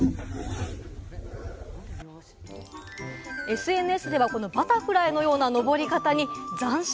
ＳＮＳではこのバタフライのようなのぼり方に、斬新！